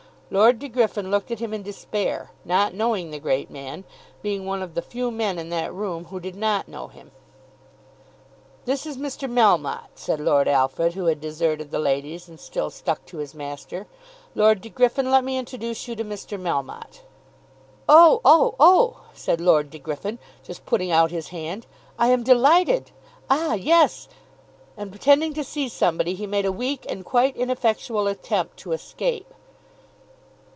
Lord De Griffin looked at him in despair, not knowing the great man, being one of the few men in that room who did not know him. "This is Mr. Melmotte," said Lord Alfred, who had deserted the ladies and still stuck to his master. "Lord De Griffin, let me introduce you to Mr. Melmotte." "Oh oh oh," said Lord De Griffin, just putting out his hand. "I am delighted; ah, yes," and pretending to see somebody, he made a weak and quite ineffectual attempt to escape.